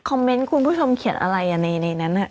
เมนต์คุณผู้ชมเขียนอะไรในนั้น